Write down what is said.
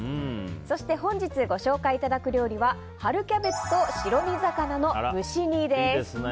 そして本日ご紹介いただく料理は春キャベツと白身魚の蒸し煮です。